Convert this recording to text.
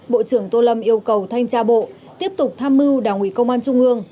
bộ trưởng tô lâm yêu cầu thanh tra bộ tiếp tục tham mưu đảng ủy công an trung ương